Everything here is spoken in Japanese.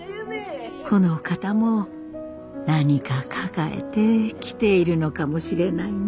この方も何か抱えて来ているのかもしれないね。